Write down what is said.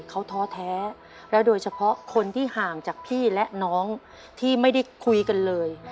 เขาท้อแท้แล้วโดยเฉพาะคนที่ห่างจากพี่และน้องที่ไม่ได้คุยกันเลย